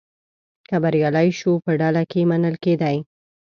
که بریالی شو په ډله کې منل کېدی.